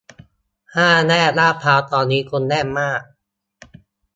ห้าแยกลาดพร้าวตอนนี้คนแน่นมาก